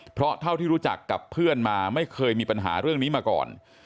เพราะเท่าที่รู้จักกับเพื่อนมาไม่เคยมีปัญหาเรื่องนี้มาก่อน